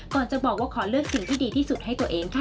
จะบอกว่าขอเลือกสิ่งที่ดีที่สุดให้ตัวเองค่ะ